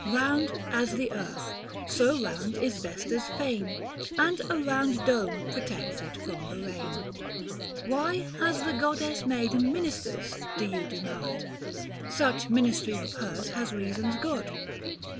Round as the earth, so round is Vesta's fane, 335 And a round dome protects it from the rain. Why has the goddess maiden ministers, Do you demand ? Such ministry of hers Has reasons good.